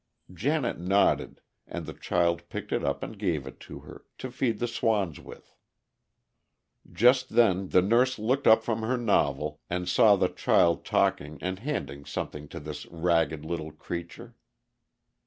Janet nodded, and the child picked it up and gave it to her, to feed the swans with. Just then the nurse looked up from her novel and saw the child talking and handing something to this ragged little creature.